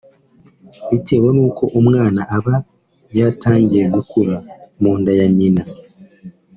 bitewe nuko umwana aba yatangiye gukura mu nda ya nyina